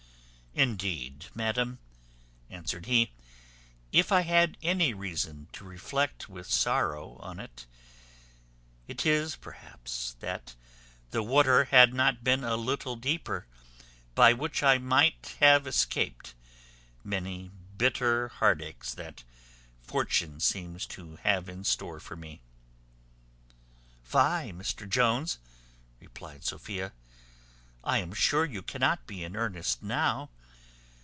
"Indeed, madam," answered he, "if I have any reason to reflect with sorrow on it, it is, perhaps, that the water had not been a little deeper, by which I might have escaped many bitter heart aches that Fortune seems to have in store for me." "Fie, Mr Jones!" replied Sophia; "I am sure you cannot be in earnest now.